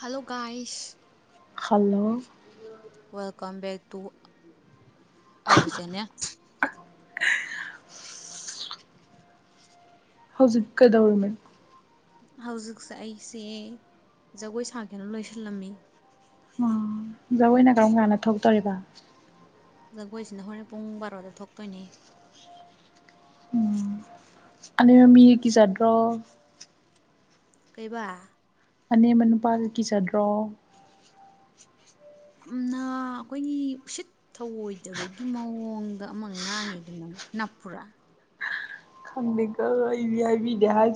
hello ꯀꯥ ꯑꯏꯁ hello welcome back ꯇꯔ ꯆꯅ ꯍꯧꯖꯤꯛ ꯀꯗꯧꯔꯤꯃꯤ ꯍꯧꯖꯤꯛꯁꯦ ꯑꯩꯁꯦ ꯖꯒꯣꯏ ꯁꯥꯒꯦꯅ ꯂꯣꯏꯁꯤꯜꯂꯝꯃꯤ ꯎꯝ ꯖꯒꯣꯏꯅ ꯀꯔꯝ ꯀꯥꯟꯗ ꯊꯣꯛꯇꯣꯔꯤꯕ ꯖꯒꯣꯏꯁꯤꯅ ꯍꯣꯔꯦꯟ ꯄꯨꯡ ꯕꯥꯔꯣꯗ ꯊꯣꯛꯇꯣꯏꯅꯦ ꯑ ꯃꯃꯤꯒꯤꯖꯥꯗ꯭ꯔꯣ ꯀꯩꯕ ꯑ ꯃꯦꯅꯨ ꯄꯥꯒꯀꯤ ꯆꯠꯗ꯭ꯔꯣ ꯌꯥꯝꯅ ꯑꯩꯈꯣꯏꯒꯤ ꯎꯁꯤꯠ ꯊꯑꯣꯏꯗꯕꯒꯤ ꯃꯑꯣꯡꯗ ꯑꯃ ꯉꯥꯡꯉꯦꯗ ꯅꯪ ꯅꯞꯄꯥ ꯈꯪ ꯀꯕꯤꯥꯏ ꯌ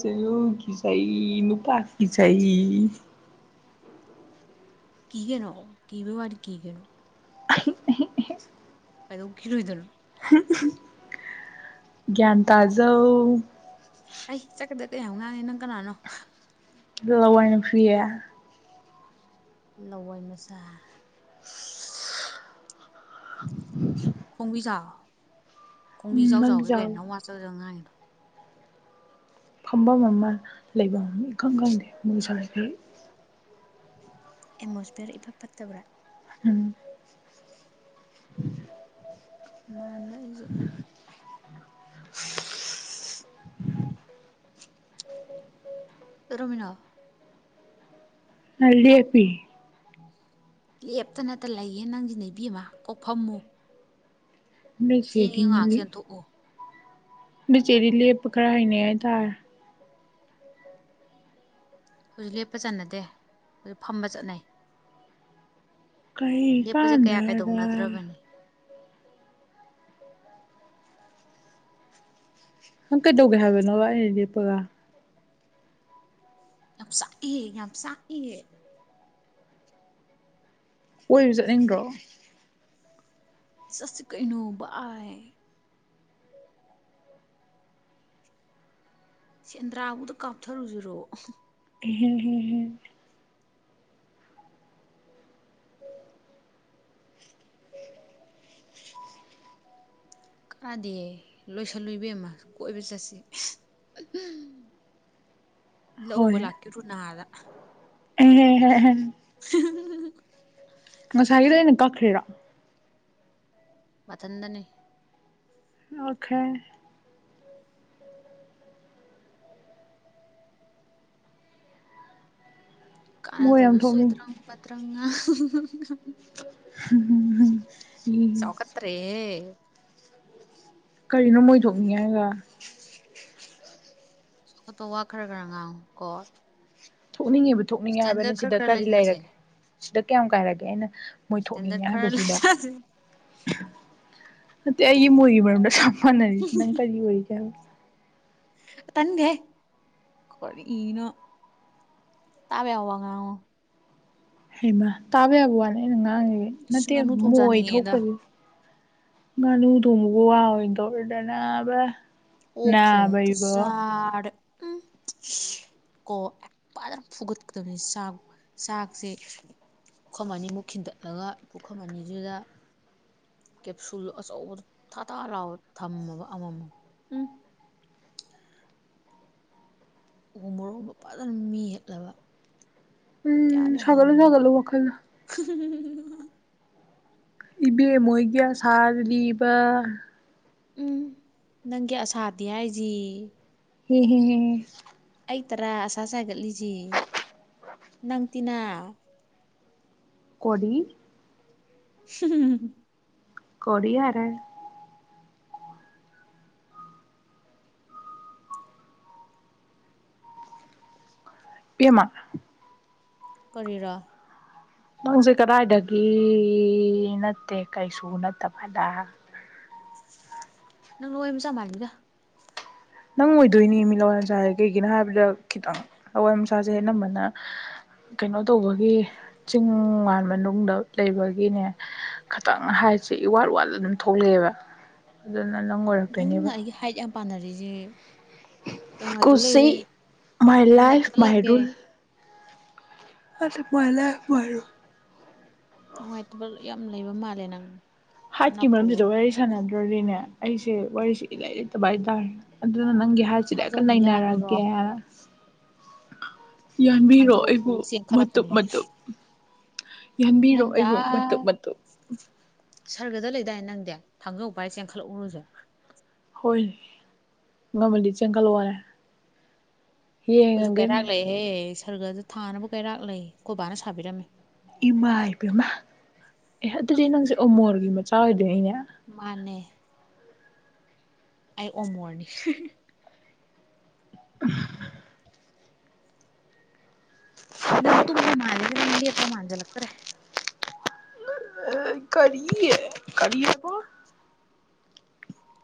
ꯆꯍꯤ ꯅꯨꯄꯥ ꯀ ꯆ ꯀ ꯀꯩꯅꯣ ꯀ ꯕꯥ ꯋꯥꯔꯤ ꯀ ꯀꯩꯅꯣ ꯀꯥꯏꯗ ꯎ ꯈꯈꯤꯔꯣꯏꯗꯅꯣ [unintelligible] ꯒꯌꯥꯟ ꯇꯥꯖꯧ ꯑꯩ ꯆꯠꯀꯗ ꯀꯌꯥꯨ ꯉꯥꯡꯉꯦ ꯅꯪ ꯀꯅꯥꯅꯣ ꯑꯗꯨ ꯂꯋꯥꯅ ꯐꯦ ꯂꯋꯥꯏ ꯃꯆꯥ ꯈꯣꯡꯕꯤꯖꯥꯎ ꯎꯝ ꯅꯪꯒꯤ ꯈꯣꯡꯕꯤꯖꯥꯎꯖꯥꯎꯒꯦ ꯀꯩꯅ ꯅ ꯆꯥꯎ ꯋꯥ ꯆꯗꯉꯥꯡꯉꯅꯣ ꯐꯝꯐꯝ ꯑꯃ ꯂꯩꯐꯝ ꯏꯈꯪ ꯈꯪꯗꯦ ꯃꯨꯁꯈꯩ ꯑꯦꯠꯃꯣꯁꯐꯤꯌꯔ ꯏꯐꯠ ꯐꯠꯇꯕ꯭ꯔꯥ ꯎꯝ ꯃꯥꯟꯕꯅꯕ ꯑꯩꯁꯨ [unintelligible] ꯔꯣꯃꯤꯅꯥ ꯑꯜꯗꯤ ꯑꯦ ꯄꯤ ꯂꯦꯞꯇꯅꯇ ꯂꯩꯌꯦꯦ ꯅꯪꯁꯤ ꯅꯩꯕꯤ ꯑꯃ ꯀꯣꯛꯐꯝꯃꯨ ꯎ ꯁꯤꯔꯤ ꯃꯜꯂꯤ ꯆꯦꯟꯊꯣꯛꯎ ꯆꯦꯔꯤ ꯂꯦꯄ ꯀꯔꯥꯏꯅꯦ ꯍꯥꯏ ꯇꯔ ꯍꯧꯖꯤꯛ ꯂꯦꯞꯄ ꯆꯠꯅꯗꯦ ꯍꯧ ꯐꯝꯕ ꯆꯠꯅꯩ ꯀꯩ ꯂꯦꯞꯄꯁꯦ ꯀꯌꯥ ꯀꯥꯟꯗꯥꯗꯥ ꯀꯩꯗꯧꯅꯗ꯭ꯔꯕꯅꯤ ꯀꯗꯧꯒ ꯍꯥꯏꯕꯅ ꯋꯥꯗꯤꯄꯒ ꯌꯥꯝ ꯁ ꯌꯥꯝ ꯁ ꯀꯣꯏꯁꯨ ꯆꯠꯅꯤꯡꯗ꯭ꯔꯣ ꯁ꯭ꯔꯤ ꯀꯅꯣ ꯕꯥꯏ ꯁꯦꯟꯗ꯭ꯔꯥꯕꯨꯗ ꯀꯥꯞꯊꯔꯨꯖꯨꯔꯣ ꯀ ꯍ ꯀꯥꯗꯦ ꯂꯣꯏꯁꯜꯂꯣꯏꯕ ꯑꯃ ꯀꯣꯏꯕ ꯆꯠꯁꯤ [unintelligible] ꯂ ꯎꯕ ꯂꯥꯛꯀꯦ ꯔꯨꯅꯥꯗ ꯎꯝꯝ ꯉꯁꯥꯍꯤꯗ ꯅꯨꯀꯥ ꯈꯦꯔꯥ ꯃꯊꯟꯗꯅꯤ ꯑꯣꯈꯣꯏ ꯃꯣꯏ ꯌꯥꯝ ꯊꯣꯛꯅꯤꯡ ꯀꯔꯗꯕꯁꯨꯣꯏꯠꯇꯔ ꯄꯠꯇ꯭ꯔ ꯎ ꯆꯥꯎꯈꯠꯇ꯭ꯔꯦꯍꯦ ꯀꯅ ꯃꯣꯏꯁꯨꯅꯤ ꯍꯥꯏꯒꯥ ꯣꯠꯇꯣ ꯋꯥ ꯈꯔ ꯈꯔ ꯉꯥꯡ ꯀꯣ ꯊꯣꯛꯅꯤꯡꯉꯤꯕ ꯊꯣꯛꯅꯤꯡꯉꯦ ꯍꯥꯏꯕꯅꯤ ꯏꯁꯇꯦꯟꯗꯔꯠ ꯈꯔ ꯁꯤꯗ ꯈꯔ ꯀꯔꯤ ꯂꯩꯅꯁꯦ ꯂꯩꯔꯒꯦ ꯁꯤꯗ ꯀꯌꯥꯝ ꯀꯥꯏꯔꯒꯦ ꯑꯩꯅ ꯃꯣꯏ ꯏꯁꯇꯦꯟꯗꯔꯠ ꯊꯣꯛꯅꯤꯡꯉꯦ ꯈꯔ ꯍꯥꯏꯕꯁꯤꯗ ꯂꯩꯖꯁꯦ ꯅꯠꯇꯦ ꯑꯩꯒꯤ ꯃꯣꯏꯒꯤ ꯃꯔꯝꯗ ꯆꯞ ꯃꯥꯟꯅꯔꯤꯁ ꯅꯪ ꯀꯔꯤ ꯑꯣꯏꯔꯤꯒꯦ ꯍꯥꯏꯕꯣ ꯇꯟꯦ ꯀꯅꯣ ꯇꯥꯕꯦ ꯌꯥꯕꯉ ꯍꯩꯃ ꯇꯥꯕ ꯌꯥꯕ ꯋꯥꯂ ꯑꯩꯅ ꯉꯥꯡꯉꯤꯕ ꯑꯁ ꯅꯠꯇꯦ ꯉꯥꯅꯨ ꯊꯣꯡ ꯃꯣꯏ ꯆꯥꯅꯤꯡꯉꯦꯗ ꯊꯣꯛꯄꯗꯤ ꯉꯅ ꯊꯒꯨ ꯑꯣꯏꯗꯧꯗꯅꯦꯕ ꯑꯣꯛꯛꯇꯣꯛꯇꯖꯔ ꯎ ꯀꯣ ꯐꯖꯅ ꯐꯨꯒꯠꯀꯗꯕꯅꯤ ꯆꯥꯛ ꯆꯥꯛꯁꯦ ꯄꯨꯈꯝ ꯑꯅꯤꯃꯨꯛ ꯈꯤꯟꯗꯠꯂꯒ ꯄꯨꯈꯝ ꯑꯅꯤꯗꯨꯗ ꯀꯦꯞꯁꯨꯜ ꯑꯆꯧꯕ ꯊꯥ ꯊꯥ ꯂꯥꯎ ꯊꯝꯃꯕ ꯑꯃꯃꯝ ꯎꯝ ꯎꯍ ꯃꯣꯔꯣꯕ ꯐꯖꯅ ꯃꯤ ꯍꯠꯂꯕ ꯎꯝ ꯁꯀꯂꯦ ꯒꯂꯣ ꯋꯥꯈꯥꯏꯗ ꯏꯕꯦꯝ ꯃꯣꯏꯒꯤ ꯁꯥꯔꯤꯕ ꯎꯝ ꯅꯪꯒꯤ ꯑꯁꯥꯗꯤ ꯍꯥꯏꯁꯤ ꯎꯝ ꯍꯝ ꯑꯩ ꯇꯔꯥ ꯑꯁꯥ ꯁꯥꯒꯠꯂꯤꯁꯤ ꯅꯪ ꯇꯤꯅꯥ ꯀꯣꯔꯤ ꯍꯝ ꯀꯣꯗꯤ ꯍꯔꯦ ꯄꯃ ꯀꯔ ꯅꯪꯁꯦ ꯀꯗꯥꯥꯏꯗꯒꯤ ꯅꯠꯇꯦ ꯀꯩꯁꯨ ꯅꯠꯇꯕꯗ ꯅꯪ ꯂꯣꯏ ꯃꯆꯥ ꯃꯥꯟꯜꯂꯤꯗ ꯅꯪ ꯑꯣꯏꯗꯣꯏꯅꯦ ꯃꯤ ꯂꯋꯥꯏ ꯃꯁꯥꯁꯦ ꯀꯩꯒꯤꯅꯣ ꯍꯥꯏꯕꯗ ꯈꯤꯇꯪ ꯂꯋꯥꯏ ꯃꯁꯥꯁꯦ ꯑꯅꯝꯕꯅ ꯀꯩꯅꯣ ꯇꯧꯕꯒꯤ ꯆꯤꯡ ꯃꯥꯟꯕ ꯃꯅꯨꯡꯗ ꯂꯩꯕꯒꯤꯅꯦ ꯈꯤꯇꯪ ꯍꯥꯏ ꯁꯦ ꯏ ꯋꯥꯠ ꯋꯥꯠꯂ ꯑꯗꯨꯝ ꯊꯣꯛꯂꯛꯑꯦꯕ ꯑꯗꯨꯅ ꯅꯪ ꯅꯪꯅ ꯑꯣꯏꯔꯛꯇꯣꯏꯅꯦꯕ ꯑꯩꯒꯤ ꯍꯥꯏꯠ ꯌꯥꯝ ꯄꯥꯟꯅꯔꯤꯁꯦ ꯀꯩ ꯅꯨꯡꯉꯥꯏꯇꯕ ꯀꯨꯁꯤ ꯂꯩꯒꯦ ꯃꯥꯏ ꯀꯩ ꯂꯥꯏꯐ ꯅꯨꯡꯉꯥꯏꯇꯕ ꯂꯩꯒꯦ ꯃꯥꯏꯔꯨꯜ ꯑꯄꯣꯏꯂꯦ ꯍꯥꯏꯣ ꯑ ꯁꯝ ꯂꯩꯕ ꯃꯥꯜꯂꯦ ꯅꯪꯅꯦ ꯍꯥꯠꯀꯤ ꯃꯔꯝꯁꯤꯗ ꯋꯥꯔꯤ ꯁꯥꯟꯅꯗ꯭ꯔꯣꯔꯤꯅꯦ ꯑꯩꯁꯦ ꯋꯥꯔꯤꯁꯦ ꯏꯂꯥꯏ ꯂꯩꯇꯕ ꯍꯥꯏꯇꯥꯔꯦ ꯑꯗꯨꯅ ꯅꯪꯒꯤ ꯍꯥꯏꯁꯤꯗ ꯑꯩꯀ ꯊꯥꯡꯖꯧꯅ ꯌꯥꯜꯂꯨꯔꯣ ꯅꯩꯅꯔꯒꯦꯁ ꯌꯥꯟꯕꯤꯔꯣ ꯊꯥꯡꯖꯧ ꯄꯨ ꯑꯩꯕꯨ ꯃꯇꯨꯞ ꯃꯇꯨꯞ ꯌꯥꯟꯕꯤꯔꯣ ꯅꯟꯖ ꯑꯩꯕꯨ ꯃꯇꯨꯞ ꯃꯇꯨꯞ ꯁꯔꯒꯗ ꯂꯩꯗꯥꯏ ꯅꯪꯗꯤ ꯊꯥꯡꯒ ꯄ ꯍꯥꯏꯔ ꯆꯦꯟꯈꯠꯂꯛꯎꯔꯨꯁꯨ ꯍꯣꯏ ꯉꯝꯃꯗꯤ ꯆꯦꯟꯒꯠꯂꯛꯑꯣꯔꯦ ꯑꯩꯈꯣꯏꯁꯨ ꯀꯩꯔꯥꯛ ꯂꯩꯍꯦꯍꯦ ꯁꯔꯒꯗ ꯊꯥꯅꯕ ꯀꯩꯔꯥꯛ ꯂꯩ ꯀꯣ ꯕꯥꯅ ꯁꯥꯕꯤꯔꯝꯃꯤ ꯏꯃꯥ ꯏꯕꯃ ꯑꯦ ꯑꯗꯨꯗꯤ ꯅꯪꯁꯦ ꯎꯃꯣꯔꯒꯤ ꯃꯆꯥ ꯑꯣꯏꯗꯣꯏꯅꯦꯅꯦ ꯃꯥꯅꯦ ꯑꯩ ꯑꯣꯃꯣꯔꯅꯤ [unintelligible] ꯅꯪ ꯇꯨꯝꯕ ꯃꯥꯂꯗ ꯅꯪ ꯂꯤ ꯑꯄꯥ ꯃꯥꯥꯟꯖꯂ ꯑꯇꯔꯦ ꯑ ꯀꯔꯤ ꯀꯔꯤ ꯄꯣ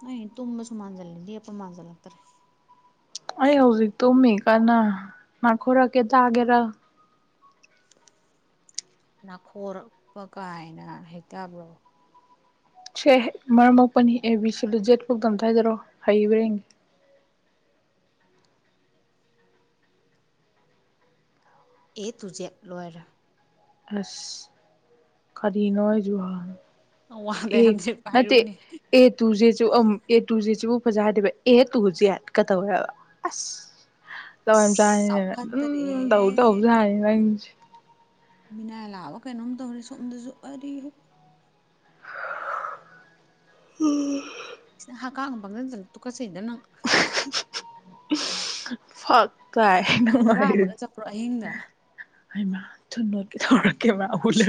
ꯅ ꯇꯨꯃꯁꯨꯃꯥꯟꯖꯗꯤ ꯑ ꯃꯥꯅꯖꯂꯥꯛꯇꯥꯔꯦ ꯀꯅꯥ ꯃꯥ ꯈꯔ ꯀꯦ ꯇꯒꯦꯔ ꯅꯥꯈꯣꯔꯛꯄ ꯀꯥꯏꯅ ꯍꯩꯛꯇꯕ꯭ꯔꯣ ꯁꯦ ꯃꯔꯝ ꯃꯄꯅꯤ ꯑꯦ ꯕꯤ ꯁꯤꯂꯨ ꯦꯠ ꯐꯧꯛꯇ ꯑꯝꯇ ꯍꯥꯏꯖꯔꯛꯑꯣ ꯍꯩꯕ꯭ꯔꯦ [unintelligible] ꯑꯦ ꯇꯨꯖꯦ ꯂꯣꯏꯔ ꯑꯁ ꯀꯅꯣꯏ ꯖꯨꯍꯥꯟ ꯋꯥꯡꯗꯩ ꯑꯦ ꯍꯟꯗ꯭ꯔꯦꯠꯄꯨ ꯅ ꯍꯥꯏꯔꯛꯎꯅꯦ ꯑꯦ ꯇꯨꯦ ꯑ ꯇꯨꯦ ꯑꯣꯖꯥ ꯍꯥꯏꯗꯤꯕ ꯑꯦ ꯇꯨ ꯍꯧꯖꯤꯛ ꯌꯥꯠꯀ ꯇꯧꯔꯕ ꯑꯁ ꯇꯧ ꯑꯁ ꯆꯅꯦ ꯆꯥꯎꯈꯠꯇꯔꯦꯍꯦ ꯑꯗꯨꯝ ꯇꯧ ꯇꯧꯁꯨꯅꯤ ꯂꯁꯦ ꯃꯤꯅꯥꯏ ꯂꯥꯛꯑꯕ ꯀꯩꯅꯣꯝ ꯇꯧꯔꯦ ꯁꯣꯝꯗꯁꯨ ꯋꯥꯔꯤꯔꯤ ꯎꯝ ꯍ ꯀꯥꯒꯝ ꯄꯥꯡꯪꯗ ꯆ ꯇꯗꯨꯀꯁꯤꯗꯅꯪ ꯍꯨꯔꯥꯟꯕꯒ ꯆꯠꯄ꯭ꯔꯣ ꯑꯍꯤꯡꯗ ꯐꯛꯥꯏꯅꯅꯨꯡꯉꯥꯏꯃ [unintelligible] ꯀ ꯍꯕꯨꯂ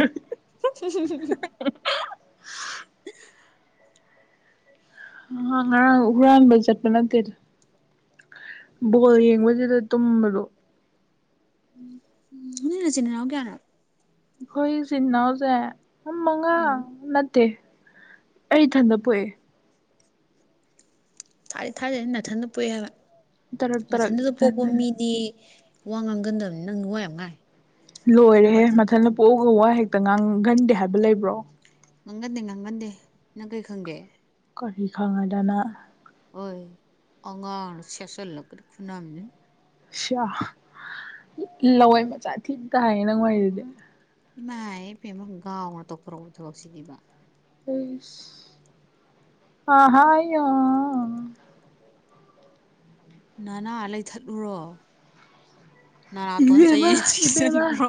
ꯍꯔꯥꯟꯕ ꯆꯠꯄ ꯅꯇꯦꯗ ꯕꯣꯜ ꯌꯦꯡꯕꯁꯤꯗ ꯇꯨꯝꯕꯗꯣ ꯅꯤꯅꯆꯤꯟꯅꯦꯅ ꯀꯌꯥꯔ ꯈꯣꯏ ꯁꯤꯖꯤꯅꯥ ꯍꯧꯖꯦ ꯑꯃ ꯃꯉꯥ ꯎꯝ ꯅꯠꯇꯦ ꯑꯩ ꯏꯊꯟꯗ ꯄꯣꯛꯑꯦ ꯊꯥꯔꯤ ꯊꯥꯔꯦꯗꯤ ꯃꯅꯥꯊꯟꯗ ꯄꯣꯛꯑꯦ ꯍꯥꯏꯕ ꯇꯔꯛ ꯇꯔꯛ ꯃꯊꯟꯗꯨꯗ ꯄꯣꯛꯄ ꯏꯊꯟꯗ ꯃꯤꯗꯤ ꯋꯥꯉꯅꯒꯟꯗꯕꯅꯤ ꯅꯪꯅꯅꯨꯡ ꯋꯥꯝꯍꯥꯏ ꯂꯣꯏꯔꯦꯍꯦ ꯃꯊꯟꯗ ꯄꯣꯛꯑꯒ ꯋꯥ ꯍꯦꯛꯇ ꯉꯥꯡꯒꯟꯗꯦ ꯍꯥꯏꯕ ꯂꯩꯕ꯭ꯔꯣ ꯉꯪꯒꯟꯗꯦ ꯉꯥꯡꯒꯟꯗꯦ ꯅꯪ ꯀꯩ ꯈꯪꯒꯦ ꯀꯔꯤ ꯈꯪꯉꯗꯅ ꯍꯣꯏ ꯑꯉꯥꯡ ꯁꯦꯁꯜ ꯂꯧ ꯈꯨꯅꯥꯝ ꯁꯤꯌꯥ ꯂꯧꯑꯣꯏ ꯃꯆꯥ ꯊꯤ ꯇ ꯍꯥꯏꯌꯦ ꯅꯪꯉꯥꯏꯁꯤꯗꯤ ꯏꯃꯥ ꯏ ꯄ ꯑꯃ ꯒꯥꯎꯅ ꯇꯧꯊꯣꯔꯛꯄ ꯊꯕꯛꯁꯤꯅꯦꯕ ꯑꯍ ꯅꯅꯥ ꯂꯩꯊꯠꯂꯨꯔꯣ ꯅꯅꯥꯇꯣꯟ ꯏꯕ ꯑꯃ ꯆꯌꯦꯠ ꯏꯕ ꯑꯃ ꯆꯤꯛꯁꯤꯜꯂꯨꯔꯣ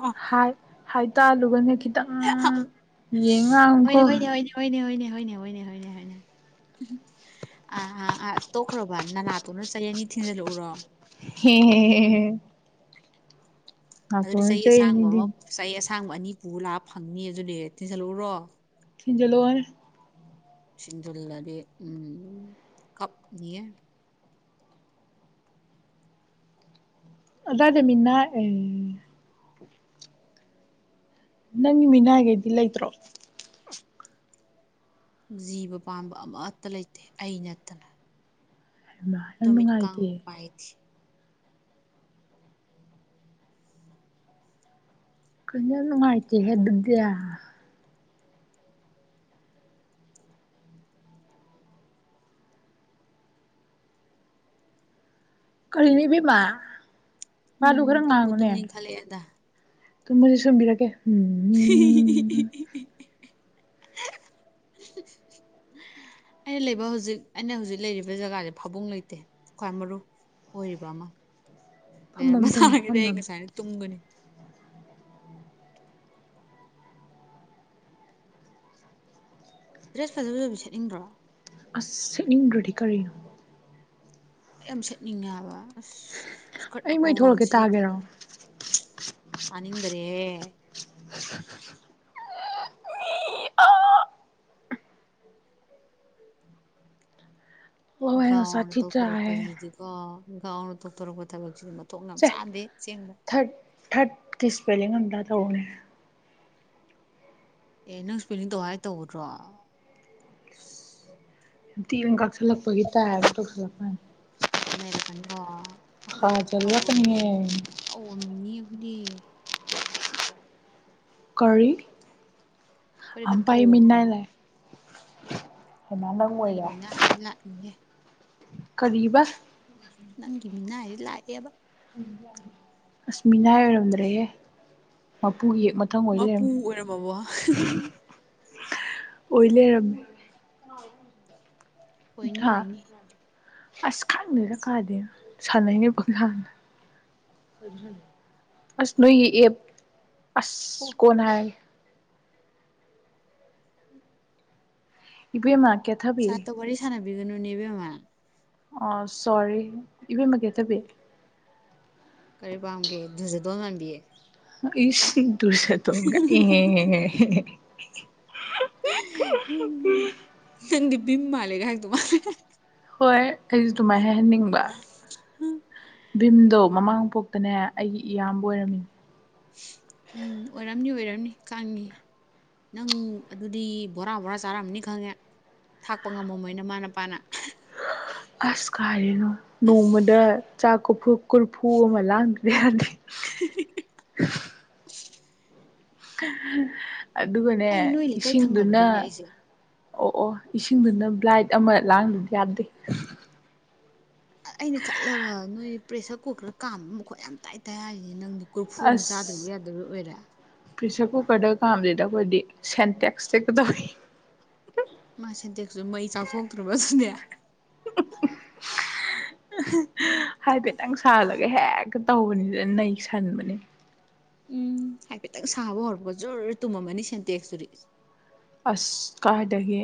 ꯍꯥꯏꯇꯥꯜꯂꯨꯒꯅꯦ ꯈꯤꯇꯪ ꯌꯦꯉ ꯑꯃꯀꯣ ꯍꯅꯦ ꯍꯣꯏꯅꯦ ꯍꯅꯦ ꯍꯅꯦ ꯑ ꯇꯣꯛꯈ꯭ꯔꯣꯕ ꯅꯅꯥꯥꯠꯇꯣꯅ ꯆꯍꯤ ꯑꯅꯤ ꯊꯤꯟꯖꯤꯜꯂꯛꯎꯔꯣ ꯍꯝ ꯑꯗꯨꯗꯤ ꯆꯍꯤ ꯑꯁꯥꯡꯕ ꯆꯩꯔꯤꯅꯤꯗꯤ ꯑꯃ ꯆꯍꯤ ꯑꯁꯥꯡꯕ ꯑꯅꯤ ꯄꯨ ꯂꯥꯛꯑ ꯐꯪꯅꯤ ꯑꯗꯨꯅꯦ ꯇꯤꯟꯖꯜꯂꯎꯨꯔꯣ ꯖꯂꯣ ꯁꯤꯟꯗꯨꯜꯂꯔꯤ ꯀꯞ ꯌꯦꯌꯦ ꯑꯗꯃꯤꯅꯥ ꯑꯦ ꯅꯪꯒꯤ ꯃꯤꯅꯥꯏꯈꯩꯗꯤ ꯂꯩꯇ꯭ꯔꯣ ꯖꯤꯕ ꯄꯥꯟꯕ ꯑꯃꯠꯇ ꯂꯩꯇꯦ ꯑꯩ ꯅꯠꯇꯅ ꯃ ꯌꯥꯝ ꯇꯨꯃꯤꯠ ꯅꯨꯡꯉꯥꯏꯇꯦ ꯀꯥꯡꯕꯨ ꯄꯥꯏꯗꯦ ꯀꯩꯅꯅ ꯃꯥꯥꯏꯇ ꯍꯦ ꯑꯗꯨꯗꯤꯌꯥ ꯀꯔꯅꯦ ꯃꯥ ꯐꯥꯨ ꯎꯝ ꯇꯨꯝꯕꯨ ꯈꯨꯔꯝꯅꯉꯣꯅꯦ ꯇꯨꯝꯅꯤꯡꯈꯠꯂꯛꯑꯦꯗ ꯑꯗꯨ ꯃꯣꯏꯁꯦ ꯁꯣꯟꯕꯤꯔꯒꯦ ꯍ ꯑꯩꯅ ꯂꯩꯕ ꯍꯧꯖꯤꯛ ꯑꯩꯅ ꯍꯧꯖꯤꯛ ꯂꯩꯔꯤꯕ ꯖꯒꯥꯁꯦ ꯐꯥꯕꯨꯡ ꯂꯩꯇꯦ ꯈ꯭ꯋꯥꯏ ꯃꯔꯨ ꯑꯣꯏꯔꯤꯕ ꯑꯃ ꯐꯝꯕꯝ ꯂꯩꯔꯝꯕ ꯇꯨꯝꯃꯣ ꯇꯥꯔꯒꯗꯤ ꯑꯩ ꯐꯝꯕꯝ ꯉꯁꯥꯏꯅ ꯇꯨꯝꯒꯅꯤ ꯕꯤꯔꯠ ꯐꯖꯕ ꯑꯣꯏꯕꯤ ꯁꯠꯅꯤꯡꯗ꯭ꯔꯣ ꯗ꯭ꯔꯙ ꯀꯔꯤ ꯌꯥꯝ ꯁꯦꯠꯅꯤꯡꯉꯦꯕ ꯑꯁ ꯏꯁꯀꯔꯠ ꯑꯩ ꯃꯩ ꯑꯀꯧꯕꯒ ꯊꯣꯛꯂꯛꯀꯦ ꯇꯥꯒꯦꯔꯣ ꯌꯦꯠꯂꯒ ꯑꯅꯤꯗꯔꯦ ꯋꯥ ꯋꯥ ꯍꯥꯏꯅꯣ ꯒꯥꯎꯅ ꯁꯥꯊꯤ ꯆꯥꯍꯦ ꯇꯧꯊꯣꯔꯛꯄꯁꯤꯗꯤꯀꯣ ꯒꯥꯎꯅ ꯇꯧꯊꯣꯔꯛꯄ ꯊꯕꯛꯁꯤꯗꯤ ꯃꯊꯣꯡ ꯌꯥꯝ ꯁꯦ ꯆꯥꯗꯦ ꯑꯁꯦꯡꯕ ꯊꯔꯠ ꯊꯔꯠꯀꯤ ꯏꯁꯄꯦꯂꯤꯡ ꯑꯝꯗꯥ ꯇꯧꯕꯅꯦ ꯑꯦ ꯅꯪ ꯁꯨꯄꯦꯅꯤꯡ ꯇꯧ ꯍꯥꯏ ꯇꯗ꯭ꯔꯣ ꯌꯥꯝꯇꯤ ꯀꯥꯁꯤꯜꯂꯛꯄꯒꯤ ꯇꯥꯏꯅ ꯇꯧꯁꯜꯂꯛꯄꯅꯤ ꯂꯩꯔꯛꯀꯅꯤ ꯍꯣ ꯑꯩꯈꯣꯏ ꯈ ꯀꯥꯖꯜꯂꯛꯀꯅꯤꯍꯦ ꯇꯧ ꯃꯤꯅꯤ ꯃꯤꯅꯤ ꯑꯗꯤ ꯀꯔꯤ ꯑꯩꯈꯣꯏꯗꯤ ꯑ ꯈꯔ ꯄ ꯏ ꯇꯧꯕ ꯃꯤꯅꯥꯥꯏ ꯃꯤꯅꯦ ꯂꯩ ꯑ ꯃꯤ ꯂꯥꯛꯦ ꯀꯔꯤꯕ ꯅꯪꯒꯤ ꯃꯤꯅ ꯍꯥꯏꯗꯤ ꯂꯥꯛꯑꯦꯕ ꯑꯁꯃꯤꯅꯥ ꯑꯣꯏꯔꯝꯗ꯭ꯔꯦꯦ ꯄꯨꯨꯒꯤ ꯍꯦꯛ ꯃꯊꯪ ꯑꯣꯏ ꯃꯄꯨ ꯂꯩꯔꯝꯃꯤ ꯑꯣꯏꯔꯝꯃꯕꯣ ꯑꯣꯏꯂ ꯑꯣꯏꯣꯏꯅꯤ ꯑꯣꯏꯅꯤ ꯑꯁ ꯈꯪꯅꯔ ꯀꯥꯗꯦ ꯁꯥꯟꯅꯅꯦꯕꯖꯥꯟꯅ ꯑꯁ ꯅ ꯑꯦ ꯑꯣ ꯑꯁ ꯀꯅ ꯍꯥꯏ ꯏꯕ ꯃꯥ ꯁꯔꯇ ꯋꯥꯔꯤꯔꯤ ꯁꯥꯟꯕꯤꯒꯅꯨ ꯅꯕ ꯃꯥ ꯑ ꯁꯣꯔꯤ ꯏꯕꯦꯝꯃꯒꯦ ꯊꯕꯤ ꯀꯔꯤ ꯄꯥꯝꯒꯦ ꯑꯗꯨꯁꯨꯗꯣꯟ ꯃꯥꯟꯕꯤꯌꯦ ꯏ ꯁꯤꯗꯨꯁ ꯇꯣꯡꯒ ꯑꯦ ꯎꯝ ꯆꯗꯤ ꯕꯤꯃ ꯂꯩꯦꯒ ꯍꯥꯏꯒ ꯇ ꯃꯥ ꯍꯣꯏ ꯑꯩꯁꯨ ꯑꯗꯨꯃꯥꯏꯅ ꯍꯥꯏꯍꯟꯅꯤꯡꯕ ꯚꯤꯝꯗꯣ ꯃꯃꯥꯡꯄꯣꯛꯇꯅꯦ ꯑꯩꯒꯤ ꯏꯌꯥꯝꯕ ꯑꯣꯏꯔꯝꯃꯤꯅꯦ ꯎꯝ ꯑꯣꯏꯔꯝꯅꯤ ꯑꯣꯏꯔꯝꯅꯤ ꯀꯪꯉꯤ ꯅꯪ ꯑꯗꯨꯗꯤ ꯕꯣꯔꯥ ꯕꯣꯔꯥ ꯆꯥꯔꯝꯃꯅꯤ ꯈꯪꯉꯦ ꯊꯥꯛꯄ ꯉꯝꯃꯝꯃꯣꯏꯅ ꯃꯥꯅꯄꯥꯅ ꯑꯁ ꯀꯦ ꯅꯣꯡꯃꯨꯗ ꯆꯥꯛ ꯀꯐꯨ ꯀꯨꯔꯐꯨ ꯑꯃ ꯂꯥꯡꯗ꯭ꯔꯦ ꯍꯥꯏꯗꯤ ꯑꯗꯨꯒꯅꯦ ꯑꯩ ꯅꯣꯏ ꯂꯩꯀꯥꯏ ꯏꯁꯤꯡꯗꯨꯅ ꯊꯪꯅꯕꯗꯩꯅꯦ ꯑꯩꯁꯦ ꯑꯣ ꯏꯁꯤꯡꯗꯨꯅ ꯕ꯭ꯂꯥꯏꯠ ꯑꯃ ꯂꯥꯡꯗꯨꯗꯤ ꯌꯥꯗꯦ ꯑꯩꯅ ꯈꯜꯂꯕ ꯅꯣꯏ ꯄ꯭ꯔꯦꯁꯔ ꯀꯨꯀꯔ ꯀꯥꯝꯕ ꯑꯃ ꯃꯈꯣꯠ ꯌꯥꯝ ꯇꯥꯏ ꯇꯥꯏ ꯍꯥꯏꯔꯤꯅꯦ ꯅꯪꯗꯤ ꯀꯣꯔꯨꯔꯐꯨ ꯑꯃ ꯆꯥꯗ꯭ꯔꯔꯤꯕꯕꯨ ꯑꯁ ꯌꯥꯗꯕꯒꯤ ꯑꯣꯏꯔꯦ ꯄ꯭ꯔꯦꯁꯔ ꯀꯨꯀꯔꯗ ꯀꯥꯝꯁꯤꯗ ꯑꯩꯈꯣꯏꯗꯤ ꯁꯦꯟꯇꯦꯛꯁꯇ ꯀꯩꯗꯧꯋꯤ ꯃꯥ ꯁꯟꯗꯦꯛꯁꯨ ꯃꯩ ꯆꯥꯊꯣꯛꯇ꯭ꯔꯨꯕꯁꯨꯅꯦ ꯍꯥꯏꯐꯦꯠꯇꯪ ꯁꯥꯜꯂꯒ ꯍꯦꯛꯇ ꯇꯧꯕꯅꯤ ꯑꯗꯨꯅ ꯅꯩ ꯁꯟꯕꯅꯦ ꯎꯝ ꯍꯥꯏꯐꯦꯠꯇꯪ ꯁꯥꯕ ꯍꯧꯔꯛꯄ ꯖ ꯇꯨꯝꯃꯝꯃꯅꯤ ꯁꯦꯟꯇꯦꯛꯁꯇꯨꯔꯤ ꯑꯁ ꯀꯥꯏꯗꯒꯤ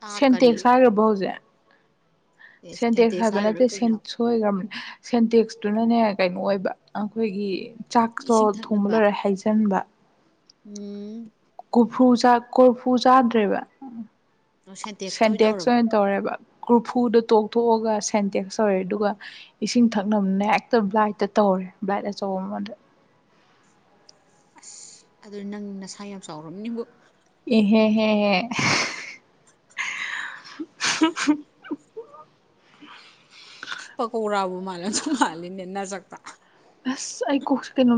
ꯆꯥꯛ ꯀꯔꯤ ꯁꯦꯟꯇꯦꯛꯁ ꯍꯥꯏꯈ꯭ꯔꯕꯣ ꯍꯧꯖꯤꯛ ꯑꯦ ꯁꯦꯟꯇꯦꯛꯁ ꯍꯥꯏꯕ ꯍꯥꯏꯈꯔꯥ ꯅꯠꯇꯦ ꯀꯩꯅꯣ ꯁꯣꯏꯈ꯭ꯔꯕ ꯁꯦꯟꯇꯦꯛꯁꯇꯨꯅꯅꯦ ꯀꯩꯅꯣ ꯑꯣꯏꯕ ꯑꯩꯈꯣꯏꯒꯤ ꯆꯥꯛꯇꯣ ꯏꯁꯤꯡ ꯊꯣꯡꯕ ꯊꯛꯅꯕ ꯂꯣꯏꯔꯦ ꯍꯩꯖꯤꯟꯕ ꯎꯝ ꯀꯣꯔꯐꯨ ꯀꯣꯔꯐꯨ ꯆꯥꯗ꯭ꯔꯦꯕ ꯑꯣ ꯁꯦꯟꯇꯦꯛꯁꯇ ꯑꯣꯏ ꯁꯦꯟꯇꯦꯛꯁ ꯇꯧꯔꯕ ꯑꯣꯏꯅ ꯇꯧꯔꯦꯕ꯭ꯔ ꯐꯨꯗ ꯇꯣꯛꯊꯣꯛꯑꯒ ꯁꯦꯟꯇꯦꯛꯁ ꯇꯧꯔꯦ ꯑꯗꯨꯒ ꯏꯁꯤꯡ ꯊꯛꯅꯕꯅ ꯍꯦꯛꯇ ꯂꯥꯏꯠꯇ ꯇꯧꯔꯦ ꯚꯔꯁꯨꯗ ꯑꯁ ꯑꯗꯨ ꯅꯪ ꯅꯁꯥ ꯌꯥꯝ ꯆꯥꯎꯔꯕꯝ ꯅꯤꯡꯕꯨ ꯑꯦꯍꯦ ꯍ ꯍ [unintelligible] ꯃꯥꯅꯁꯨ ꯃꯥꯜꯂꯤꯅꯤ ꯅ ꯆ ꯑ ꯑꯩ ꯀꯨꯣꯛ ꯀꯩꯅꯣ